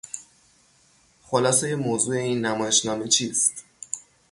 خلاصهی موضوع این نمایشنامه چیست؟